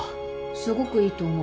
すごくいいと思う。